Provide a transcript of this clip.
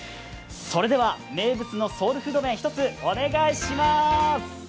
それでは名物のソウルフード麺、ひとつお願いします。